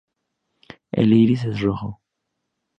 El iris es rojo.